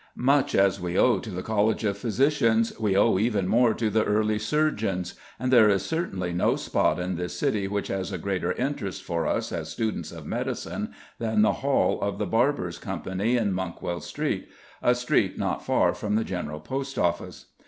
] Much as we owe to the College of Physicians, we owe even more to the early surgeons, and there is certainly no spot in this city which has a greater interest for us as students of medicine than the hall of the Barbers' Company in Monkwell Street, a street not far from the General Post Office.